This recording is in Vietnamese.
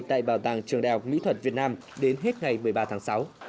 tại bảo tàng trường đại học mỹ thuật việt nam đến hết ngày một mươi ba tháng sáu